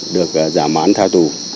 được giảm án tha tù